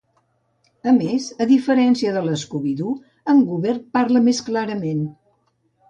A més, a diferència de l'Scooby-Doo, en Goober parla més clarament.